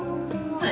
はい！